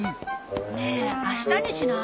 ねえ明日にしない？